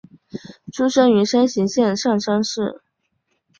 出身于山形县上山市。